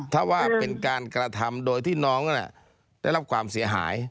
ถ้าว่าเป็นการกระทำโดยที่น้องได้รับความเสียหาย